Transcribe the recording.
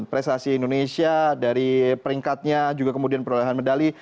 prestasi indonesia dari peringkatnya juga kemudian perolehan medali